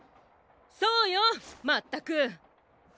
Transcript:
そうよまったく。